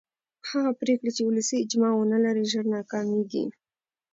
هغه پرېکړې چې ولسي اجماع ونه لري ژر ناکامېږي